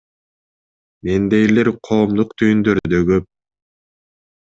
Мендейлер коомдук түйүндөрдө көп.